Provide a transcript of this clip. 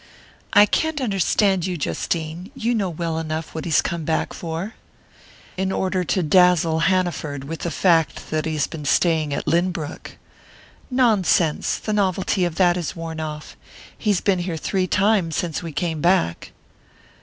"I can't understand you, Justine. You know well enough what he's come back for." "In order to dazzle Hanaford with the fact that he has been staying at Lynbrook!" "Nonsense the novelty of that has worn off. He's been here three times since we came back."